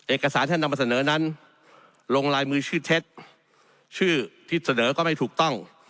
เอกสารที่นำมาเสนอนั้นลงลายมือชื่อเท็จชื่อที่เสนอก็ไม่ถูกต้อง